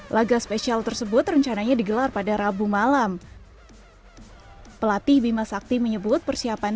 laga spesial tersebut rencananya digelar pada rabu malam pelatih bima sakti menyebut persiapan